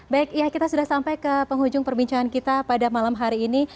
baik ya kita sudah sampai ke penghujung perbincangan kita pada malam hari ini